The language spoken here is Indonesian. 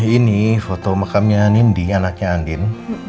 ini foto mekamnya nindy anaknya andin